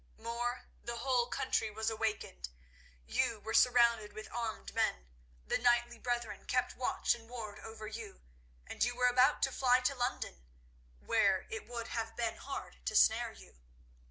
More, the whole country was awakened; you were surrounded with armed men, the knightly brethren kept watch and ward over you, and you were about to fly to London, where it would have been hard to snare you.